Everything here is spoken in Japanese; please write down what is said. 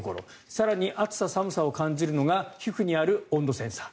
更に暑さ、寒さを感じるのが皮膚にある温度センサー。